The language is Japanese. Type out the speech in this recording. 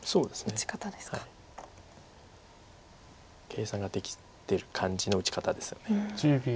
計算ができてる感じの打ち方ですよね。